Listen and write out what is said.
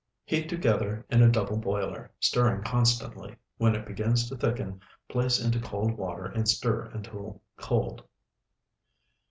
Heat together in double boiler, stirring constantly. When it begins to thicken, place into cold water and stir until cold.